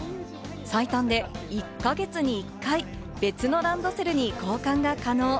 最短で１か月に１回、別のランドセルに交換が可能。